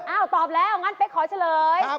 ตอบแล้วงั้นเป๊กขอเฉลย